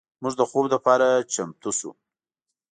موږ د خوب لپاره چمتو شو.